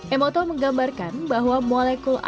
emoto menggambarkan bahwa molekulnya